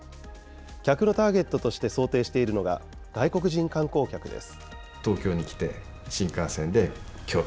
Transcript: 客のターゲットとして想定しているのが、外国人観光客です。